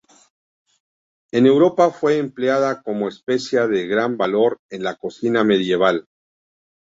En Europa fue empleada como especia de gran valor en la cocina medieval.